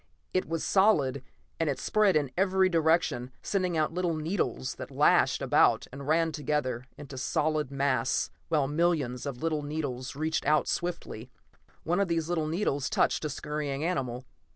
It was solid, and it spread in every direction, sending out little needles that lashed about and ran together into a solid mass while millions of little needles reached out swiftly. One of these little needles touched a scurrying animal.